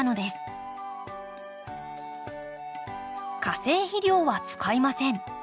化成肥料は使いません。